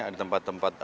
ada tempat tempat lain